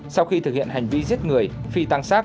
sau khi thực hiện hành vi giết người phi tăng sát